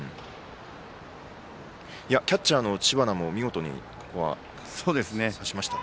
キャッチャーの知花もここは見事に刺しました。